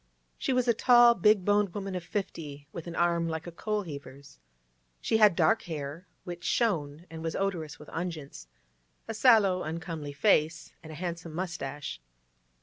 She was a tall, big boned woman of fifty, with an arm like a coalheaver's. She had dark hair, which shone and was odorous with unguents; a sallow, uncomely face, and a handsome moustache.